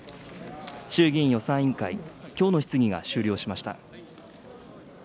衆議院予算委員会、きょうの質疑が終了しました。